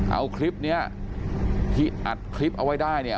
เอาคลิปนี้ที่อัดคลิปเอาไว้ได้เนี่ย